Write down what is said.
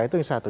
itu yang satu